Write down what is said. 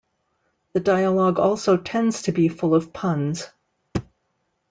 The dialog also tends to be full of puns.